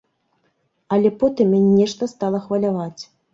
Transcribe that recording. Але потым мяне нешта стала хваляваць.